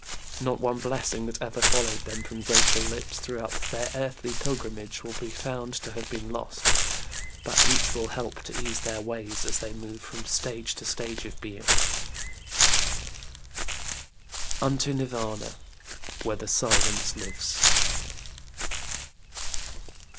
Not one blessing that ever followed them from grateful lips throughout their earthly pilgrimage will be found to have been lost; but each will help to ease their way as they move from stage to stage of Being UNTO NIRVÄNĖĢA WHERE THE SILENCE LIVES.